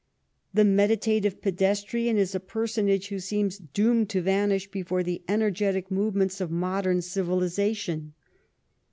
The medita tive pedestrian is a personage who seems doomed to vanish before the energetic movements of modern civilization.